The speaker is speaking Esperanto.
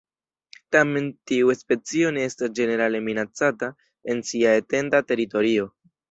Tamen, tiu specio ne estas ĝenerale minacata en sia etenda teritorio.